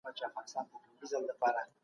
نوي اقتصادي نظام خدماتو ته اړتیا درلوده.